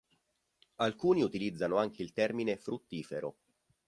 Alcuni utilizzano anche il termine "fruttifero".